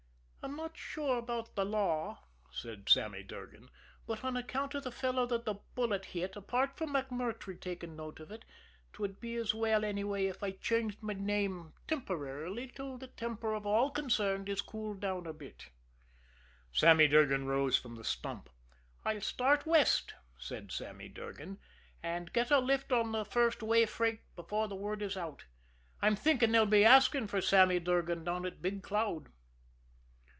"I'm not sure about the law," said Sammy Durgan, "but on account of the fellow that the bullet hit, apart from MacMurtrey taking note of it, 'twould be as well, anyway, if I changed my name temporarily till the temper of all concerned is cooled down a bit." Sammy Durgan rose from the stump. "I'll start West," said Sammy Durgan, "and get a lift on the first way freight before the word is out. I'm thinking they'll be asking for Sammy Durgan down at Big Cloud."